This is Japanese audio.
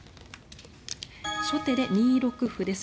初手で２六歩です。